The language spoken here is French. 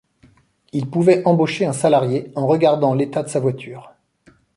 Il pouvait embaucher un salarié en regardant l'état de sa voiture.